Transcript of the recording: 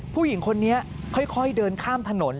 ผู้หญิงคนนี้ค่อยเดินข้ามถนน